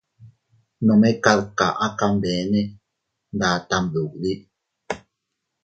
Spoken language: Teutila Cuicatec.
Nome kad kaʼa kanbene nda tam duddi.